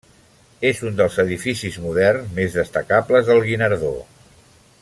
És un dels edificis moderns més destacables del Guinardó.